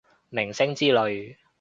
明星之類